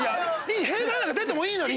弊害なんか出てもいいのよ！